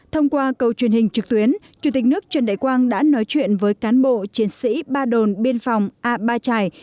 thông qua cầu truyền hình trực tuyến chủ tịch nước trần đại quang đã nói chuyện với cán bộ chiến sĩ ba đồn biên phòng a ba trải